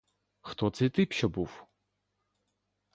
Хто цей тип, що був?